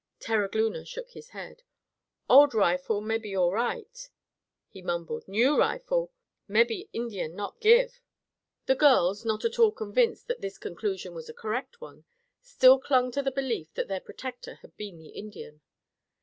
Terogloona shook his head. "Old rifle, mebby all right," he mumbled; "new rifle, mebby Indian not give." The girls, not at all convinced that this conclusion was a correct one, still clung to the belief that their protector had been the Indian.